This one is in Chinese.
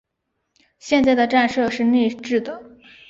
现在的站舍是内置的。